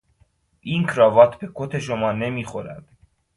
این کراوات به کت شما نمیخورد.